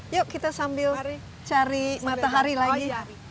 yuk kita sambil cari matahari lagi